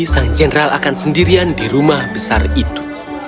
sang general akan sendirian di rumah besar itu